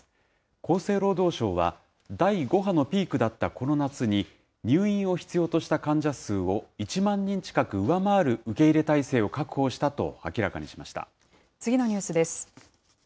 厚生労働省は、第５波のピークだったこの夏に、入院を必要とした患者数を１万人近く上回る受け入れ態勢を確保し次のニュースです。